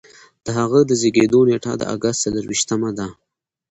د هغه د زیږیدو نیټه د اګست څلور ویشتمه ده.